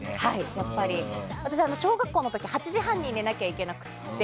私、小学校の時８時半に寝なきゃいけなくて。